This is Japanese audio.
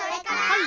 はい！